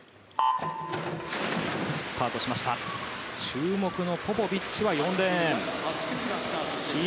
注目のポポビッチは４レーン。